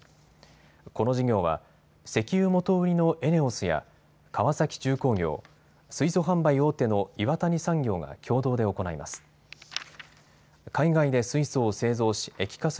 この事業は石油元売りのＥＮＥＯＳや川崎重工業、水素販売大手の岩谷産業が共同で行います。